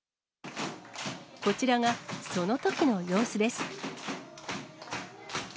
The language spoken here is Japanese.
こちらがそのときの様子です。